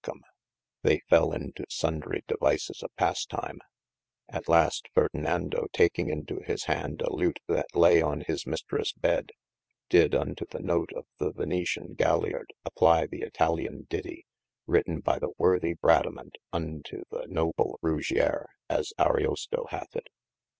come, they fell into sundry devices of pastime : at last Ferdinando taking into his had a Lute that lay on his Mistresse bed, did unto the note of the Venetian galliard apply the Italian dittie written by the worthy Bradamant unto ye noble Rugier, as Ariosto hath it.